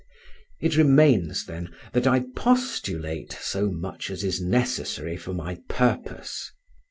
It remains, then, that I postulate so much as is necessary for my purpose.